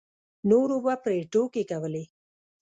نورو به پرې ټوکې کولې.